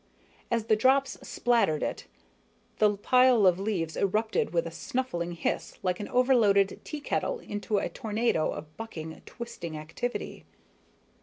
As the drops splattered it, the pile of leaves erupted with a snuffling hiss like an overloaded teakettle into a tornado of bucking, twisting activity.